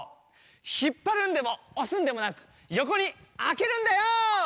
ひっぱるんでもおすんでもなくよこにあけるんだよ！